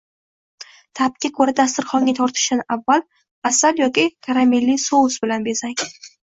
Ta’bga ko‘ra dasturxonga tortishdan avval asal yoki karamelli sous bilan bezang